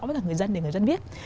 với cả người dân để người dân biết